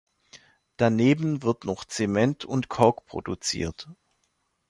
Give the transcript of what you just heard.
Daneben wird noch Zement und Kork produziert.